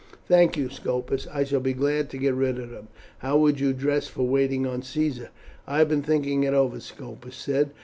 "Thank you, Scopus, I shall be glad to get rid of them. How would you dress for waiting on Caesar?" "I have been thinking it over," Scopus said.